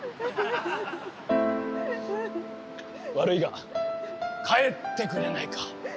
悪いが帰ってくれないか？